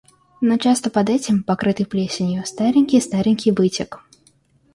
Но часто под этим, покрытый плесенью, старенький-старенький бытик.